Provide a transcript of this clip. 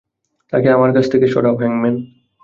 তাকে আমার কাছ থেকে সরাও, হ্যাংম্যান।